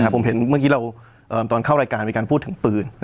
ผมเห็นเมื่อกี้ตอนเข้ารายการมีการพูดถึงปืน